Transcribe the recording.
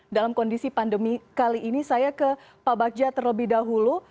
dalam kondisi pandemi kali ini saya ke pak bagja terlebih dahulu